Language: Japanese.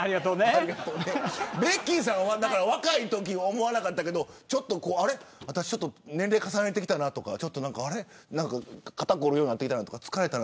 ベッキーさんは若いとき思わなかったけど年齢、重ねてきたなとか肩凝るようになってきたとか。